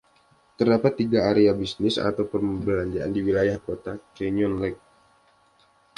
Terdapat tiga area bisnis atau perbelanjaan di wilayah Kota Canyon Lake.